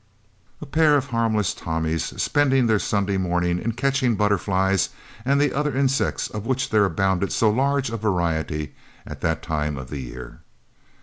A pair of harmless Tommies, spending their Sunday morning in catching butterflies and the other insects of which there abounded so large a variety at that time of the year.